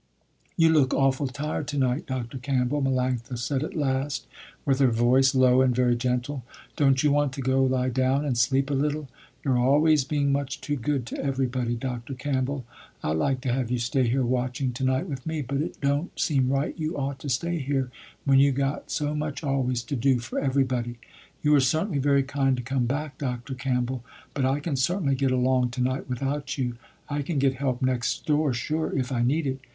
"You look awful tired to night, Dr. Campbell," Melanctha said at last, with her voice low and very gentle, "Don't you want to go lie down and sleep a little? You're always being much too good to everybody, Dr. Campbell. I like to have you stay here watching to night with me, but it don't seem right you ought to stay here when you got so much always to do for everybody. You are certainly very kind to come back, Dr. Campbell, but I can certainly get along to night without you. I can get help next door sure if I need it.